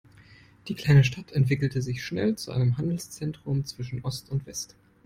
Die kleine Stadt entwickelte sich schnell zu einem Handelszentrum zwischen Ost und West.